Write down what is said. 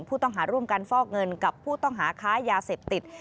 ผู้ต้องหาร่วมกันฟอกเงินกับผู้ต้องหาค้ายาเสพติด